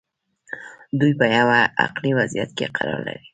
دوی په یوه عقلي وضعیت کې قرار لري.